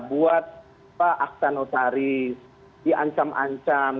buat pak akhtar notaris diancam ancam